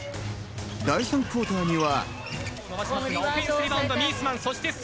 第３クオーターには。